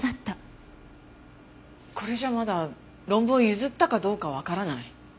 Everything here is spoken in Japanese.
これじゃまだ論文を譲ったかどうかわからない。